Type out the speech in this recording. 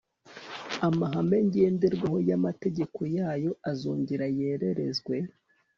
amahame ngenderwaho yamategeko yayo azongera yererezwe